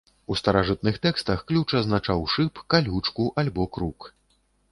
У старажытных тэкстах ключ азначаў шып, калючку альбо крук.